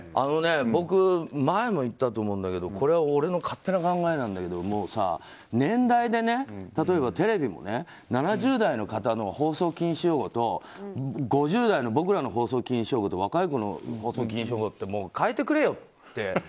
僕、前も言ったと思うんだけどこれは俺の勝手な考えなんだけど年代で、例えばテレビも７０代の方の放送禁止用語と５０代の僕らの放送禁止用語と若い子の放送禁止用語を変えてくれよって。